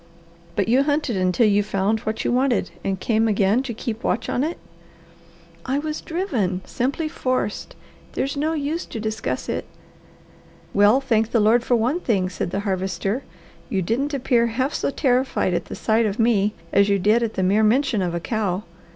"But you hunted until you found what you wanted, and came again to keep watch on it?" "I was driven simply forced. There's no use to discuss it!" "Well thank the Lord for one thing," said the Harvester. "You didn't appear half so terrified at the sight of me as you did at the mere mention of a cow.